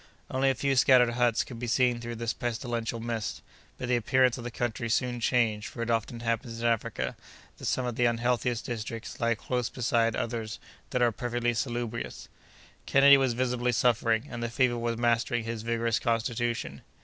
Only a few scattered huts could be seen through the pestilential mists; but the appearance of the country soon changed, for it often happens in Africa that some of the unhealthiest districts lie close beside others that are perfectly salubrious. Kennedy was visibly suffering, and the fever was mastering his vigorous constitution.